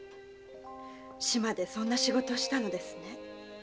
島でそんな仕事をしたのですね。